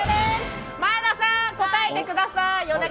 前田さん、答えてください。